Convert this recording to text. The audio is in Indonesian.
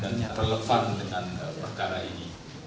dan yang relevan dengan perkara ini